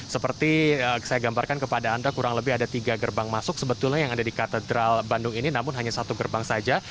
seperti saya gambarkan kepada anda kurang lebih ada tiga gerbang masuk sebetulnya yang ada di katedral bandung ini namun hanya satu gerbang saja